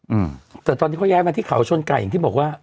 อืมแต่ตอนนี้เขาย้ายมาที่เขาชนไก่อย่างที่บอกว่า